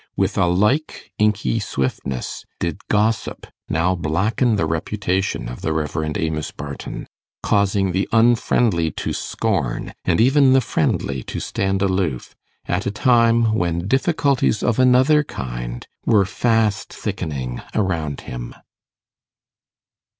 With a like inky swiftness did gossip now blacken the reputation of the Rev. Amos Barton, causing the unfriendly to scorn and even the friendly to stand aloof, at a time when difficulties of another kind were fast thickening around him.